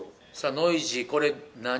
ノイジー、これ、何？